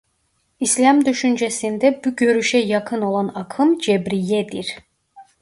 İslam düşüncesinde bu görüşe yakın olan akım Cebriyyedir.